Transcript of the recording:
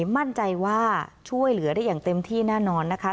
มั่นใจว่าช่วยเหลือได้อย่างเต็มที่แน่นอนนะคะ